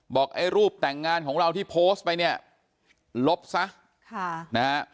ไอ้รูปแต่งงานของเราที่โพสต์ไปเนี่ยลบซะค่ะนะฮะ